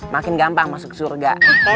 makin gampang masuk surga